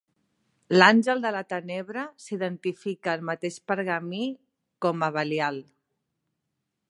L'Àngel de la Tenebra s'identifica al mateix pergamí com a Belial.